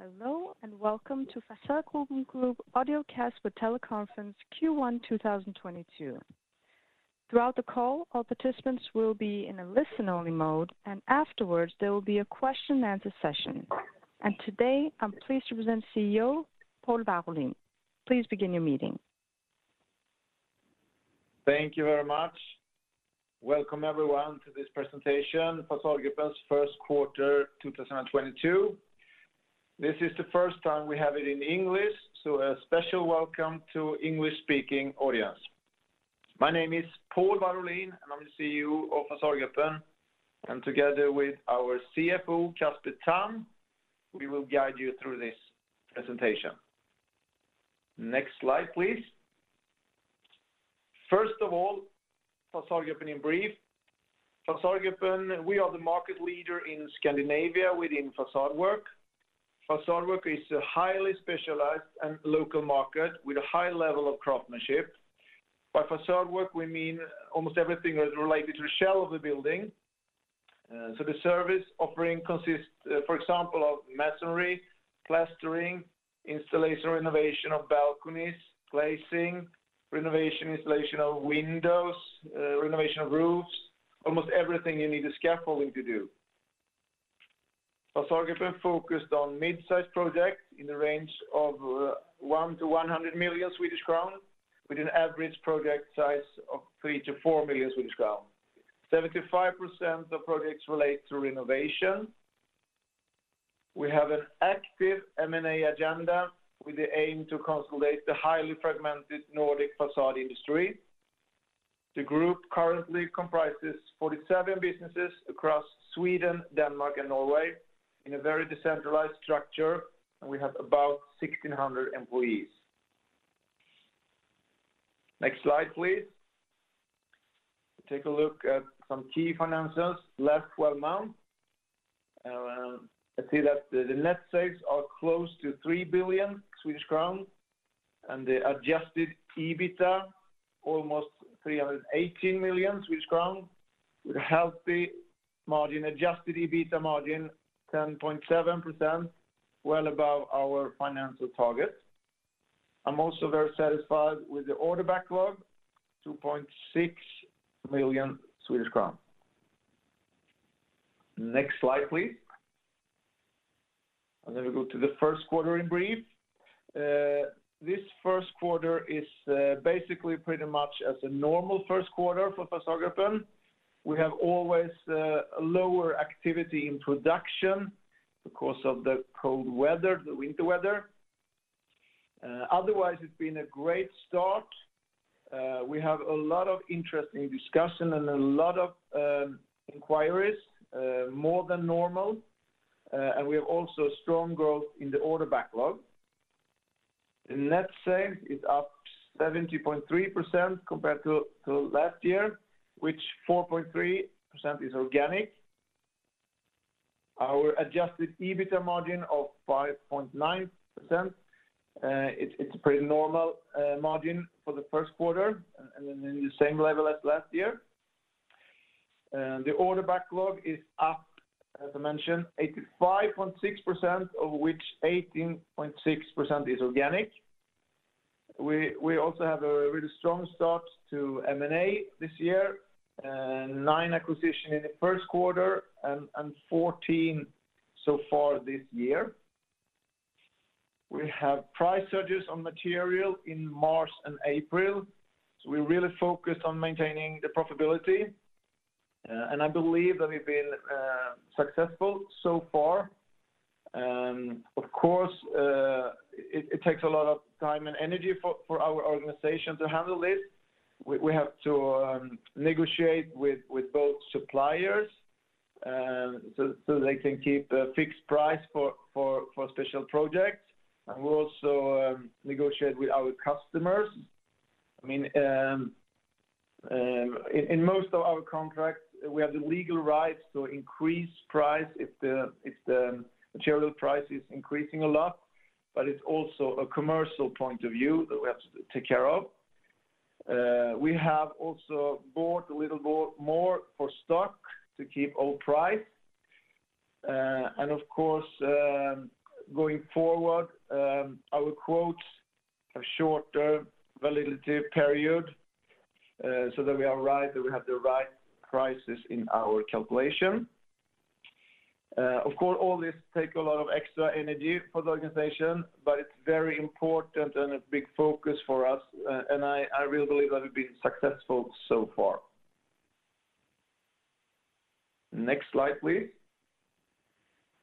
Hello, and welcome to Fasadgruppen Group Audiocast with Teleconference Q1 2022. Throughout the call, all participants will be in a listen-only mode, and afterwards, there will be a question and answer session. Today, I'm pleased to present CEO Pål Warolin. Please begin your meeting. Thank you very much. Welcome everyone to this presentation, Fasadgruppen's first quarter, 2022. This is the first time we have it in English, so a special welcome to English-speaking audience. My name is Pål Warolin, and I'm the CEO of Fasadgruppen. Together with our CFO, Casper Tamm, we will guide you through this presentation. Next slide, please. First of all, Fasadgruppen in brief. Fasadgruppen, we are the market leader in Scandinavia within facade work. Facade work is a highly specialized and local market with a high level of craftsmanship. By facade work, we mean almost everything that is related to the shell of the building. So the service offering consists, for example, of masonry, plastering, installation, renovation of balconies, glazing, renovation, installation of windows, renovation of roofs, almost everything you need the scaffolding to do. Fasadgruppen focused on midsize projects in the range of 1-100 million Swedish crown, with an average project size of 3-4 million Swedish crown. 75% of projects relate to renovation. We have an active M&A agenda with the aim to consolidate the highly fragmented Nordic facade industry. The group currently comprises 47 businesses across Sweden, Denmark, and Norway in a very decentralized structure, and we have about 1,600 employees. Next slide, please. Take a look at some key financials last twelve months. I see that the net sales are close to 3 billion Swedish crowns, and the adjusted EBITA almost 318 million Swedish crowns with a healthy margin, adjusted EBITA margin 10.7%, well above our financial target. I'm also very satisfied with the order backlog, 2.6 million Swedish crowns. Next slide, please. We go to the first quarter in brief. This first quarter is basically pretty much as a normal first quarter for Fasadgruppen. We have always lower activity in production because of the cold weather, the winter weather. Otherwise, it's been a great start. We have a lot of interesting discussion and a lot of inquiries more than normal. We have also strong growth in the order backlog. The net sales is up 70.3% compared to last year, which 4.3% is organic. Our adjusted EBITA margin of 5.9%, it's a pretty normal margin for the first quarter, and then the same level as last year. The order backlog is up, as I mentioned, 85.6%, of which 18.6% is organic. We also have a really strong start to M&A this year, 9 acquisitions in the first quarter and 14 so far this year. We have price surges on material in March and April, so we're really focused on maintaining the profitability, and I believe that we've been successful so far. Of course, it takes a lot of time and energy for our organization to handle this. We have to negotiate with both suppliers, so they can keep a fixed price for special projects. We also negotiate with our customers. I mean, in most of our contracts, we have the legal rights to increase price if the material price is increasing a lot, but it's also a commercial point of view that we have to take care of. We have also bought a little more for stock to keep all price. Of course, going forward, our quotes have shorter validity period, so that we are right, that we have the right prices in our calculation. Of course, all this take a lot of extra energy for the organization, but it's very important and a big focus for us, and I really believe that we've been successful so far. Next slide, please.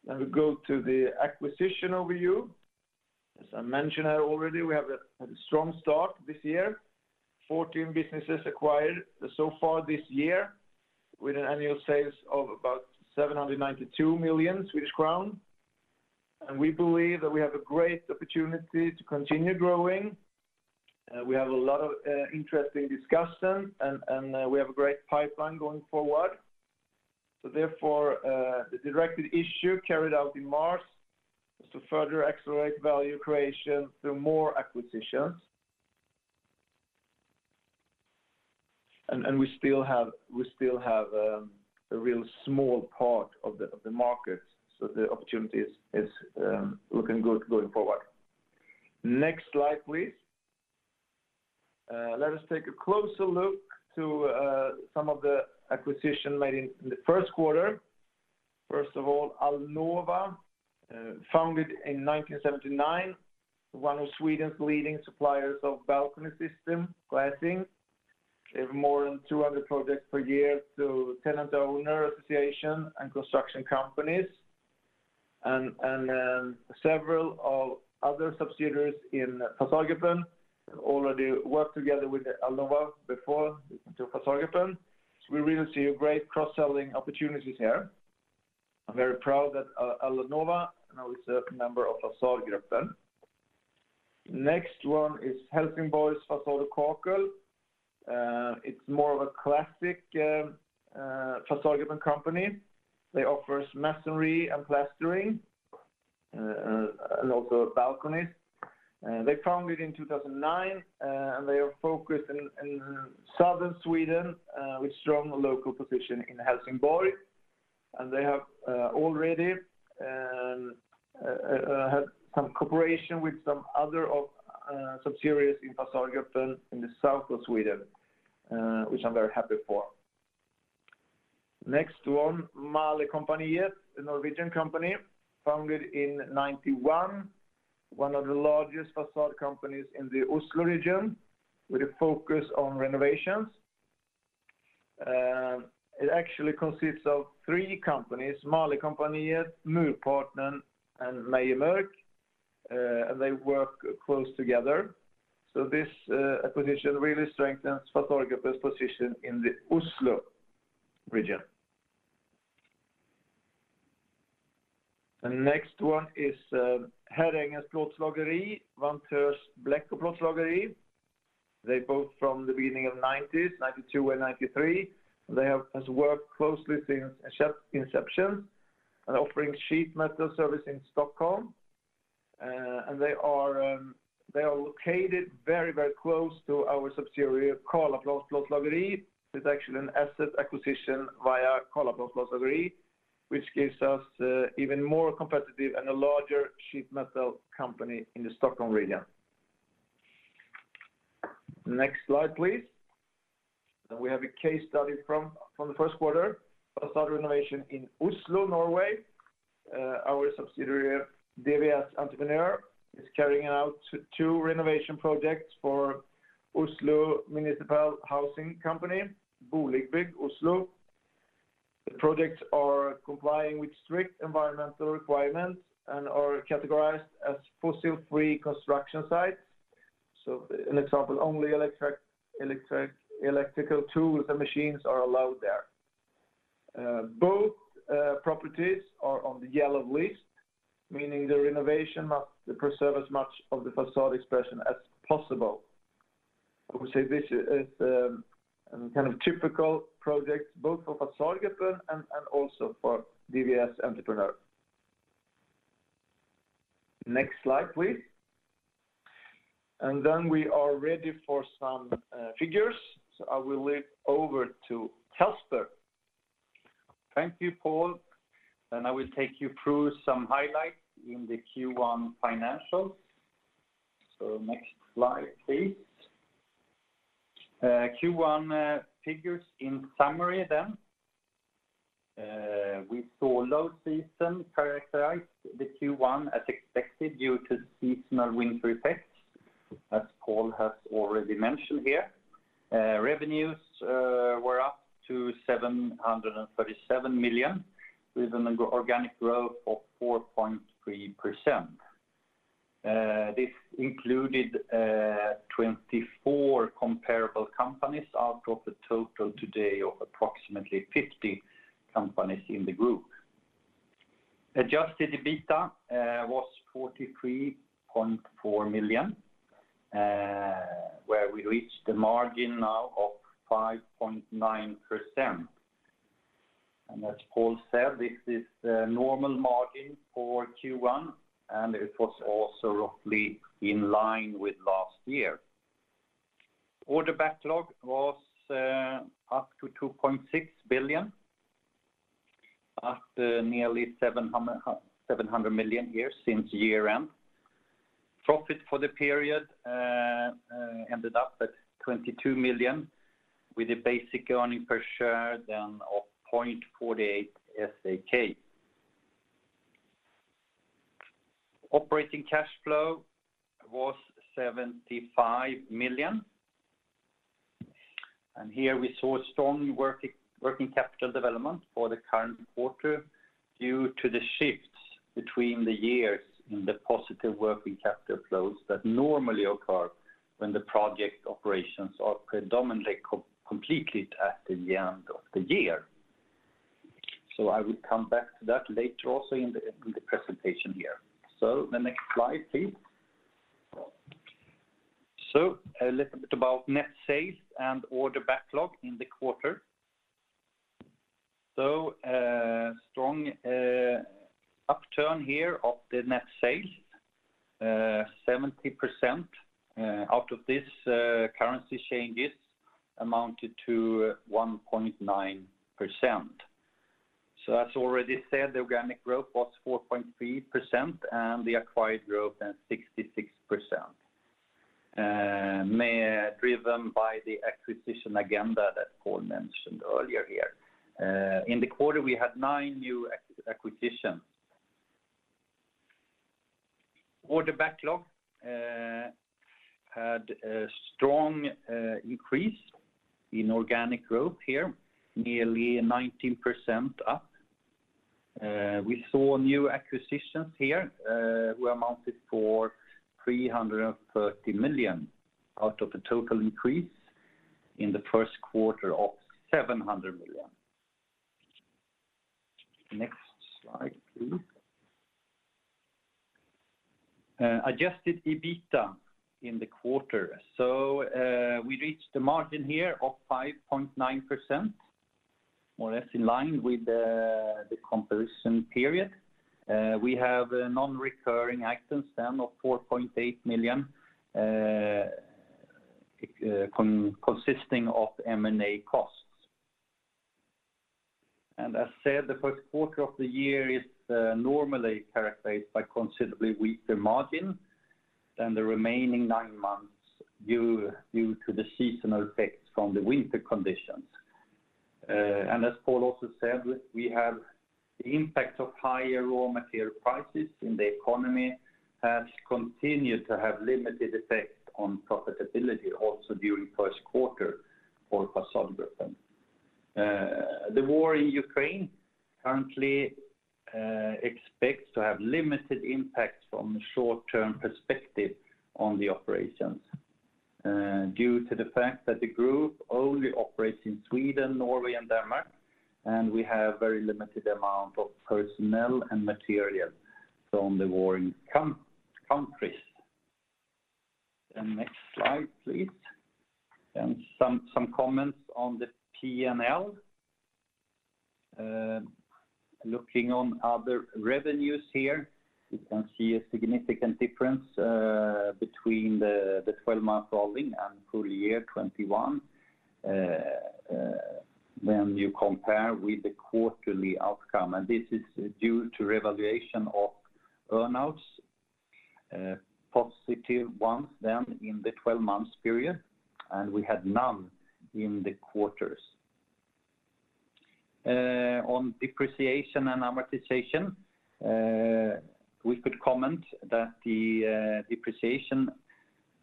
We go to the acquisition overview. As I mentioned already, we have a strong start this year. 14 businesses acquired so far this year with annual sales of about 792 million Swedish crowns. We believe that we have a great opportunity to continue growing. We have a lot of interesting discussion and we have a great pipeline going forward. Therefore, the directed issue carried out in March is to further accelerate value creation through more acquisitions. We still have a real small part of the market. The opportunity is looking good going forward. Next slide, please. Let us take a closer look to some of the acquisition made in the first quarter. First of all, Alnova, founded in 1979, one of Sweden's leading suppliers of balcony systems glazing. They have more than 200 projects per year to tenant owner association and construction companies. Several other subsidiaries in Fasadgruppen have already worked together with Alnova before to Fasadgruppen. We really see great cross-selling opportunities here. I'm very proud that, Alnova now is a member of Fasadgruppen. Next one is Helsingborgs Fasad & Kakel. It's more of a classic Fasadgruppen company. They offer masonry and plastering and also balconies. They founded in 2009 and they are focused in southern Sweden with strong local position in Helsingborg. They have already had some cooperation with some other of subsidiaries in Fasadgruppen in the south of Sweden which I'm very happy for. Next one, Malercompagniet, a Norwegian company founded in 1991, one of the largest facade companies in the Oslo region with a focus on renovations. It actually consists of three companies, Malercompagniet, Murpartnern, and Meyer-Mørch and they work close together. This acquisition really strengthens Fasadgruppen's position in the Oslo region. Next one is Herrängens Plåtslageri, Vantörs Bleck och Plåtslageri. They're both from the beginning of the 1990s, 1992 and 1993. They have worked closely since inception and offering sheet metal service in Stockholm. They are located very, very close to our subsidiary, Karlaplans Plåtslageri. It's actually an asset acquisition via Karlaplans Plåtslageri, which gives us even more competitive and a larger sheet metal company in the Stockholm region. Next slide, please. We have a case study from the first quarter, a facade renovation in Oslo, Norway. Our subsidiary, DVS Entreprenør, is carrying out two renovation projects for Oslo Municipal Housing Company, Boligbygg Oslo. The projects are complying with strict environmental requirements and are categorized as fossil-free construction sites. An example, only electrical tools and machines are allowed there. Both properties are on the yellow list, meaning the renovation must preserve as much of the facade expression as possible. I would say this is kind of typical projects both for Fasadgruppen and also for DVS Entreprenør. Next slide, please. Then we are ready for some figures. I will hand over to Casper. Thank you, Pål. I will take you through some highlights in the Q1 financials. Next slide, please. Q1 figures in summary then. We saw low season characterized the Q1 as expected due to seasonal winter effects, as Pål has already mentioned here. Revenues were up to 737 million with an organic growth of 4.3%. This included twenty-four comparable companies out of the total today of approximately fifty companies in the group. Adjusted EBITA was 43.4 million, where we reached the margin now of 5.9%. As Pål said, this is the normal margin for Q1, and it was also roughly in line with last year. Order backlog was up to 2.6 billion, up nearly 700 million from year-end. Profit for the period ended up at 22 million, with a basic earnings per share then of 0.48 SEK. Operating cash flow was 75 million. Here we saw strong working capital development for the current quarter due to the shifts between the years in the positive working capital flows that normally occur when the project operations are predominantly completed at the end of the year. I will come back to that later also in the presentation here. The next slide, please. A little bit about net sales and order backlog in the quarter. Strong upturn here of the net sales, 70%, out of this, currency changes amounted to 1.9%. As already said, the organic growth was 4.3% and the acquired growth at 66%, M&A-driven by the acquisition agenda that Pål mentioned earlier here. In the quarter, we had 9 new acquisitions. Order backlog had a strong increase in organic growth here, nearly 19% up. We saw new acquisitions here who amounted for 330 million out of the total increase in the first quarter of 700 million. Next slide, please. Adjusted EBITDA in the quarter. We reached the margin here of 5.9%, more or less in line with the comparison period. We have non-recurring items then of 4.8 million consisting of M&A costs. As said, the first quarter of the year is normally characterized by considerably weaker margin than the remaining nine months due to the seasonal effects from the winter conditions. As Pål also said, we have the impact of higher raw material prices in the economy has continued to have limited effect on profitability also during first quarter for Fasadgruppen. The war in Ukraine currently is expected to have limited impact from the short-term perspective on the operations, due to the fact that the group only operates in Sweden, Norway, and Denmark, and we have very limited amount of personnel and material from the warring countries. The next slide, please. Some comments on the P&L. Looking on other revenues here, you can see a significant difference between the twelve-month rolling and full year 2021, when you compare with the quarterly outcome. This is due to revaluation of earn outs, positive ones then in the twelve months period, and we had none in the quarters. On depreciation and amortization, we could comment that the depreciation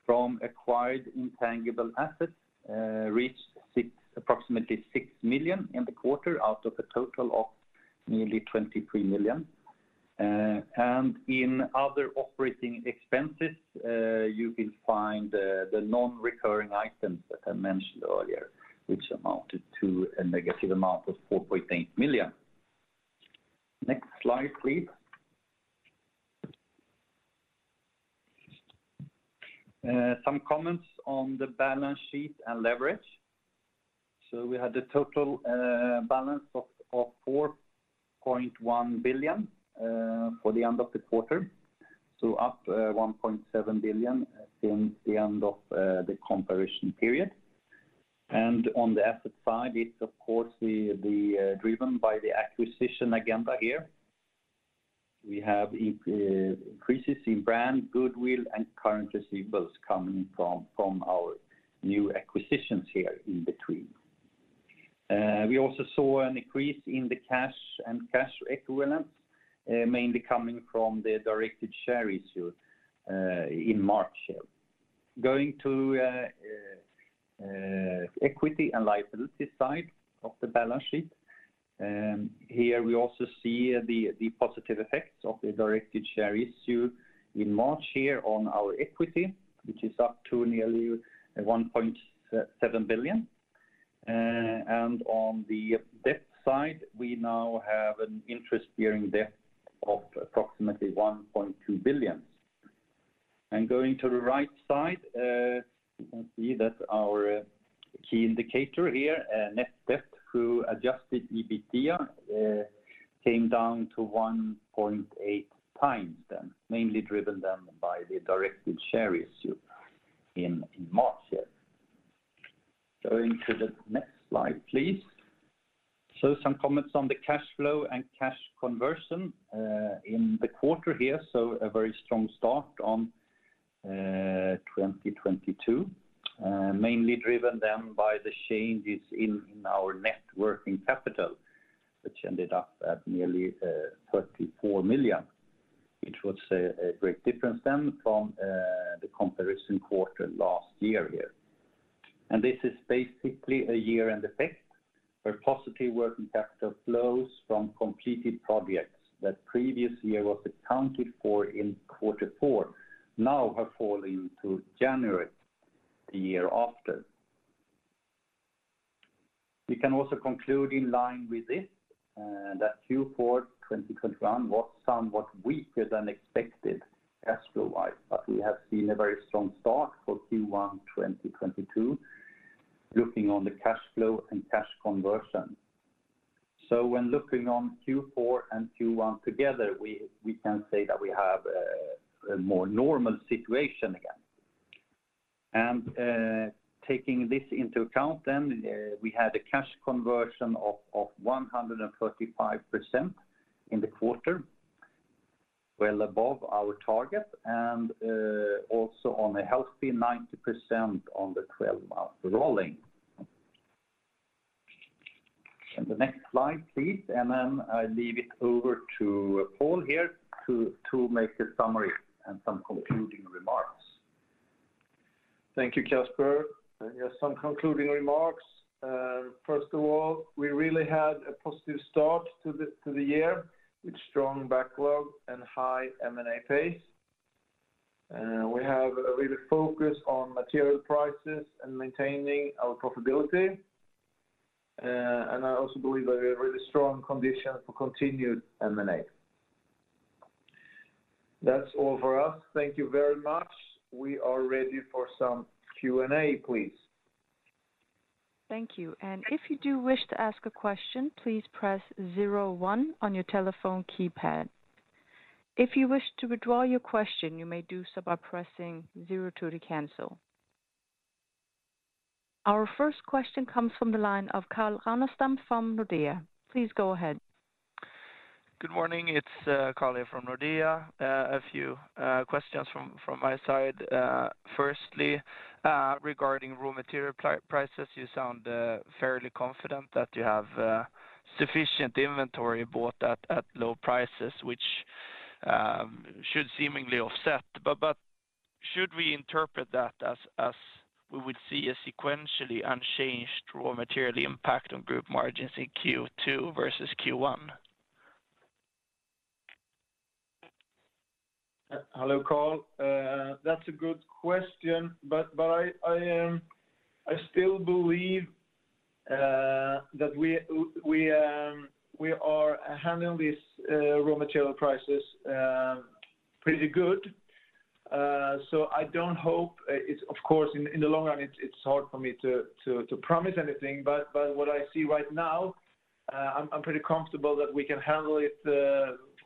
from acquired intangible assets reached approximately 6 million in the quarter out of a total of nearly 23 million. In other operating expenses, you can find the non-recurring items that I mentioned earlier, which amounted to a negative amount of 4.8 million. Next slide, please. Some comments on the balance sheet and leverage. We had a total balance of 4.1 billion for the end of the quarter, so up 1.7 billion since the end of the comparison period. On the asset side, it's of course driven by the acquisition agenda here. We have increases in brand goodwill and current receivables coming from our new acquisitions here in between. We also saw an increase in the cash and cash equivalents, mainly coming from the directed share issue in March. Going to equity and liability side of the balance sheet, here we also see the positive effects of the directed share issue in March here on our equity, which is up to nearly 1.7 billion. On the debt side, we now have interest-bearing debt of approximately 1.2 billion. Going to the right side, you can see that our key indicator here, net debt to adjusted EBITDA, came down to 1.8x then, mainly driven then by the directed share issue in March here. Going to the next slide, please. Some comments on the cash flow and cash conversion in the quarter here, so a very strong start on 2022 mainly driven then by the changes in our net working capital, which ended up at nearly 34 million, which was a great difference then from the comparison quarter last year here. This is basically a year-end effect where positive working capital flows from completed projects that previous year was accounted for in quarter four now have fallen to January the year after. We can also conclude in line with this that Q4 2021 was somewhat weaker than expected cash flow-wise, but we have seen a very strong start for Q1 2022 looking on the cash flow and cash conversion. When looking on Q4 and Q1 together, we can say that we have a more normal situation again. Taking this into account then, we had a cash conversion of 135% in the quarter, well above our target, and also on a healthy 90% on the 12-month rolling. The next slide, please, and then I leave it over to Pål here to make the summary and some concluding remarks. Thank you, Casper. Yes, some concluding remarks. First of all, we really had a positive start to the year with strong backlog and high M&A pace. We have a real focus on material prices and maintaining our profitability. I also believe that we have really strong conditions for continued M&A. That's all for us. Thank you very much. We are ready for some Q&A, please. Thank you. If you do wish to ask a question, please press zero one on your telephone keypad. If you wish to withdraw your question, you may do so by pressing zero two to cancel. Our first question comes from the line of Carl Ragnerstam from Nordea. Please go ahead. Good morning. It's Carl here from Nordea. A few questions from my side. Firstly, regarding raw material prices, you sound fairly confident that you have sufficient inventory bought at low prices, which should seemingly offset. Should we interpret that as we would see a sequentially unchanged raw material impact on group margins in Q2 versus Q1? Hello, Carl. That's a good question, but I still believe that we are handling this raw material crisis pretty good. I hope not. It's of course in the long run. It's hard for me to promise anything. What I see right now, I'm pretty comfortable that we can handle it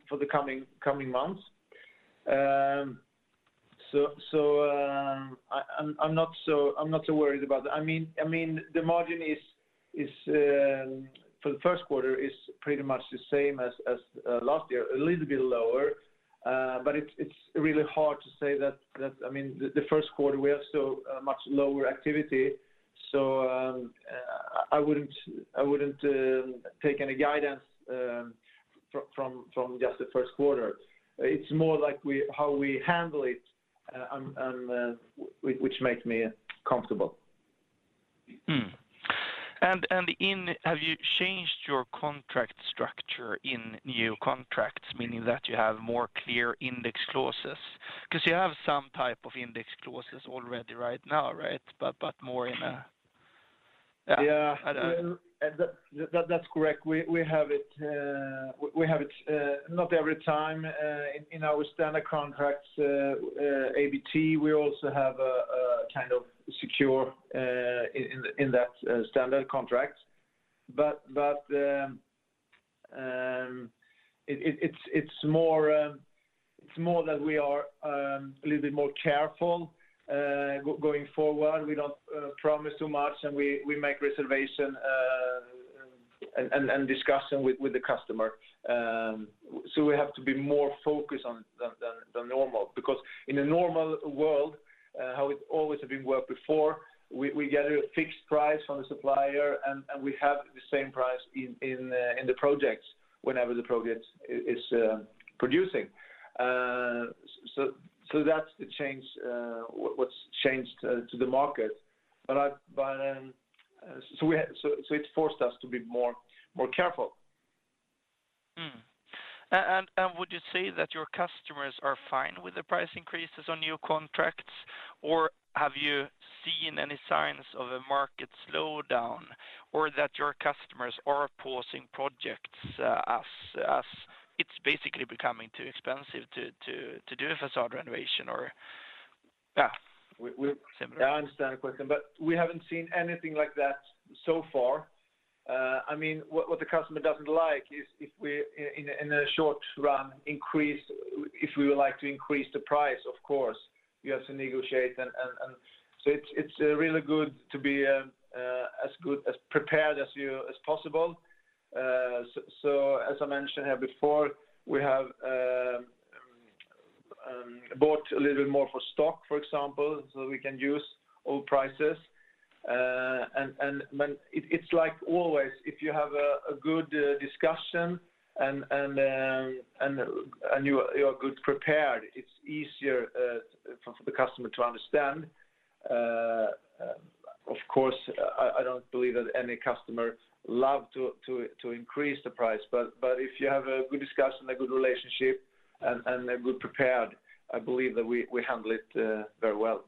for the coming months. I'm not so worried about that. I mean, the margin for the first quarter is pretty much the same as last year, a little bit lower. It's really hard to say that. I mean, the first quarter we have so much lower activity, so I wouldn't take any guidance from just the first quarter. It's more like how we handle it, which makes me comfortable. Have you changed your contract structure in new contracts, meaning that you have more clear index clauses? Because you have some type of index clauses already right now, right? Yeah. I don't. That’s correct. We have it not every time in our standard contracts ABT, we also have a kind of secure in that standard contract. It’s more that we are a little bit more careful going forward. We don’t promise too much, and we make reservation and discussion with the customer. We have to be more focused on than normal. Because in a normal world, how it always have been worked before, we get a fixed price from the supplier, and we have the same price in the projects whenever the project is producing. That's the change, what's changed to the market. It's forced us to be more careful. Would you say that your customers are fine with the price increases on new contracts, or have you seen any signs of a market slowdown, or that your customers are pausing projects, as it's basically becoming too expensive to do a facade renovation or, yeah, similar? Yeah, I understand the question, but we haven't seen anything like that so far. I mean, what the customer doesn't like is if we in a short run increase, if we would like to increase the price, of course, we have to negotiate and. It's really good to be as good, as prepared as you, as possible. As I mentioned here before, we have bought a little bit more for stock, for example, so we can use old prices. When it's like always, if you have a good discussion and you are good prepared, it's easier for the customer to understand. Of course, I don't believe that any customer love to increase the price, but if you have a good discussion, a good relationship, and are good prepared, I believe that we handle it very well.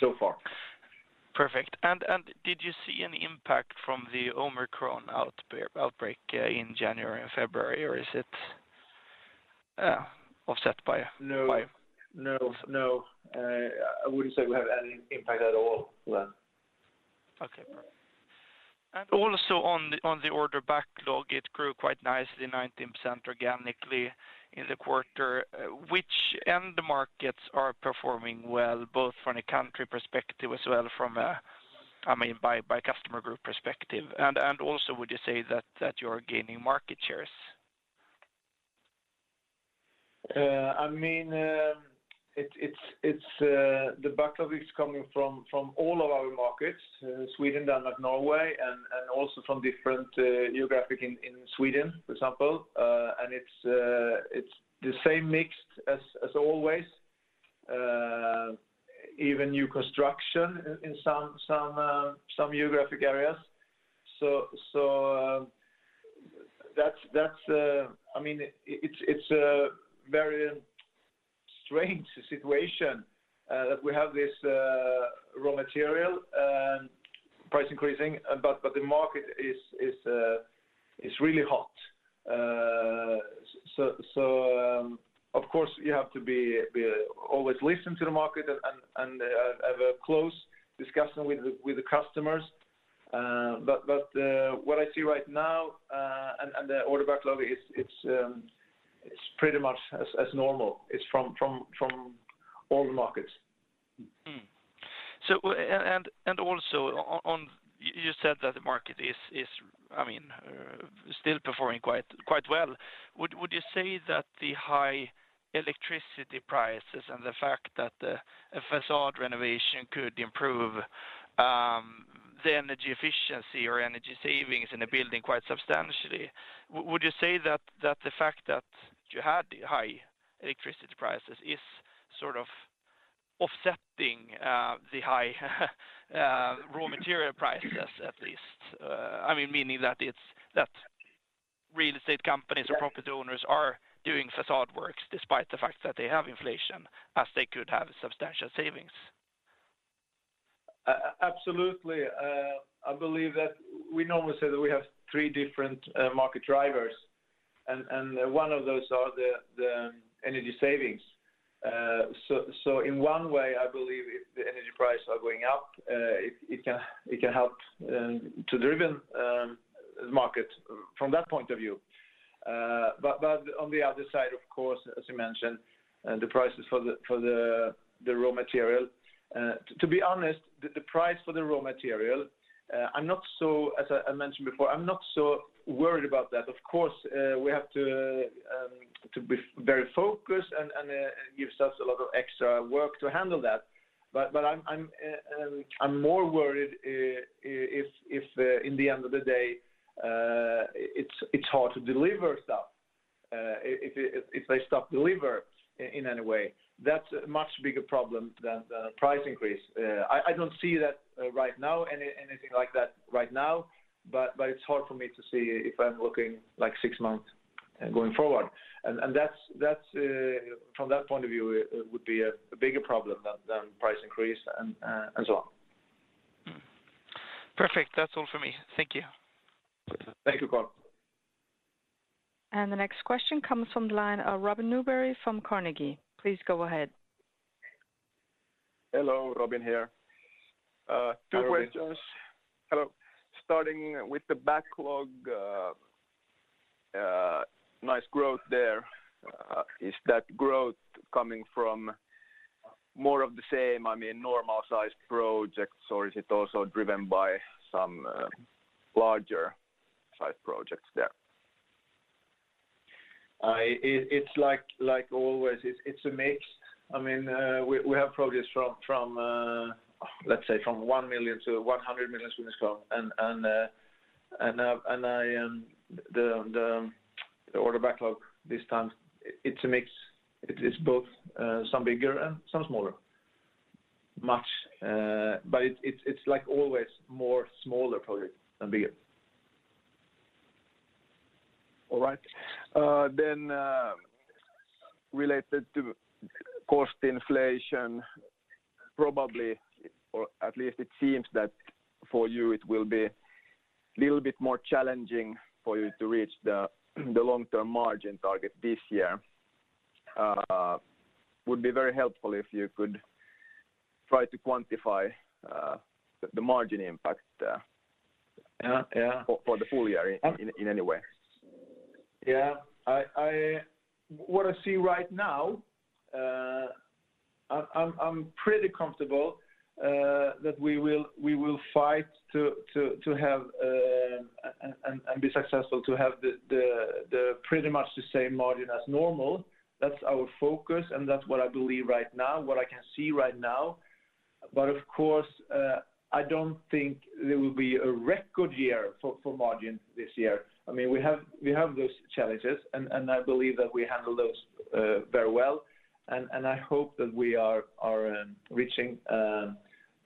So far. Perfect. Did you see any impact from the Omicron outbreak in January and February or is it offset by- No. By- No, no. I wouldn't say we have any impact at all to that. Okay. Also on the order backlog, it grew quite nicely, 19% organically in the quarter. Which end markets are performing well both from a country perspective as well from a... I mean, by customer group perspective? Also would you say that you're gaining market shares? I mean, the backlog is coming from all of our markets, Sweden, Denmark, Norway, and also from different geographic areas in Sweden, for example. It's the same mix as always, even new construction in some geographic areas. I mean, it's a very strange situation that we have this raw material price increasing, but the market is really hot. Of course, you have to be always listening to the market and have a close discussion with the customers. What I see right now, and the order backlog is pretty much as normal. It's from all the markets. You said that the market is, I mean, still performing quite well. Would you say that the high electricity prices and the fact that a facade renovation could improve the energy efficiency or energy savings in a building quite substantially, would you say that the fact that you had high electricity prices is sort of offsetting the high raw material prices at least? I mean, meaning that it's that real estate companies- Yeah. Property owners are doing facade works despite the fact that they have inflation, as they could have substantial savings. Absolutely. I believe that we normally say that we have three different market drivers, and one of those are the energy savings. In one way, I believe if the energy prices are going up, it can help to drive the market from that point of view. On the other side, of course, as you mentioned, the prices for the raw material. To be honest, the price for the raw material. As I mentioned before, I'm not so worried about that. Of course, we have to be very focused and it gives us a lot of extra work to handle that. I'm more worried if, in the end of the day, it's hard to deliver stuff if they stop delivering in any way. That's a much bigger problem than the price increase. I don't see that right now, anything like that right now, but it's hard for me to see if I'm looking like six months going forward. That's from that point of view. It would be a bigger problem than price increase and so on. Perfect. That's all for me. Thank you. Thank you, Carl. The next question comes from the line of Robin Nyberg from Carnegie. Please go ahead. Hello, Robin here. Hi, Robin. Two questions. Hello. Starting with the backlog, nice growth there. Is that growth coming from more of the same, I mean, normal sized projects, or is it also driven by some larger size projects there? It's like always, it's a mix. I mean, we have projects from, let's say, 1 million to 100 million Swedish crown. The order backlog this time, it's a mix. It's both some bigger and some much smaller. It's like always more smaller projects than bigger. All right. Related to cost inflation, probably, or at least it seems that for you it will be little bit more challenging for you to reach the long-term margin target this year. Would be very helpful if you could try to quantify the margin impact. Yeah. Yeah. For the full year in any way. Yeah. What I see right now, I'm pretty comfortable that we will fight to have and be successful to have the pretty much the same margin as normal. That's our focus, and that's what I believe right now, what I can see right now. Of course, I don't think it will be a record year for margin this year. I mean, we have those challenges, and I believe that we handle those very well. I hope that we are reaching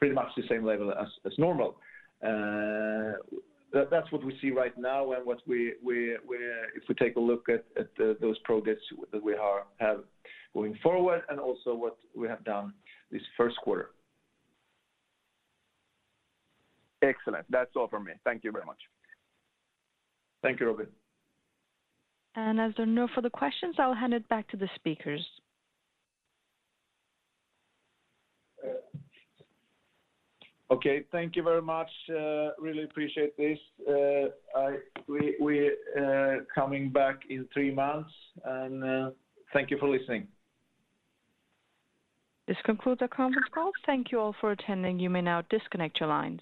pretty much the same level as normal. That's what we see right now and what we. If we take a look at those projects that we have going forward and also what we have done this first quarter. Excellent. That's all for me. Thank you very much. Thank you, Robin. As there are no further questions, I'll hand it back to the speakers. Okay. Thank you very much. Really appreciate this. We're coming back in three months, and thank you for listening. This concludes the conference call. Thank you all for attending. You may now disconnect your lines.